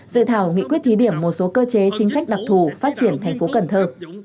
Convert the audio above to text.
dự thảo nghị quyết thí điểm một số cơ chế chính sách đặc thù phát triển thành phố cần thơ